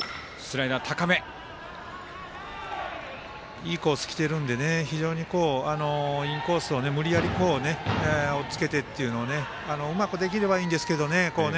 いいコースきているんで非常にインコースを無理やりおっつけてっていうのをうまくできればいいんですけどね。